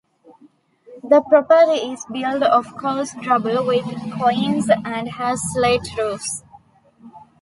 The property is built of coursed rubble with quoins and has slate roofs.